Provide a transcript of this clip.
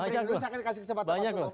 saya akan kasih kesempatan mas umam